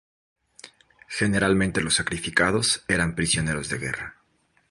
Generalmente los sacrificados eran prisioneros de guerra.